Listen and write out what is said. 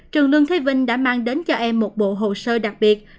trường lương thế vinh đã mang đến cho em một bộ hồ sơ đặc biệt